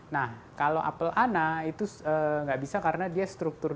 nah kalau apple ana itu enggak bisa karena dia strukturnya